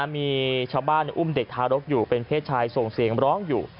มีชาวบ้านอุ้มเด็กทารกอยู่เป็นเพศชายส่งเสียงร้องอยู่